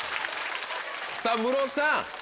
さぁムロさん